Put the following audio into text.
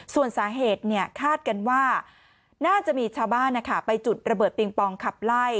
ส่วนสาเหตุคาดกันว่าน่าจะมีชาวบ้านไปจุดระเบิดปิงปองขับไล่